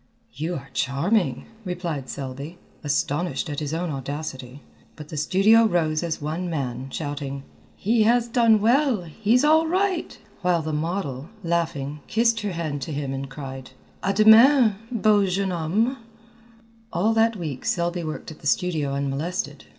"You are charming," replied Selby, astonished at his own audacity, but the studio rose as one man, shouting: "He has done well! he's all right!" while the model, laughing, kissed her hand to him and cried: "À demain beau jeune homme!" All that week Selby worked at the studio unmolested.